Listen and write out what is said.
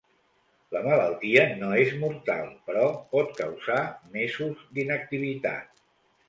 La malaltia no és mortal però pot causar mesos d'inactivitat.